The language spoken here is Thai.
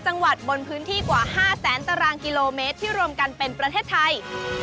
จังหวัดบนพื้นที่กว่า๕แสนตารางกิโลเมตรที่รวมกันเป็นประเทศไทย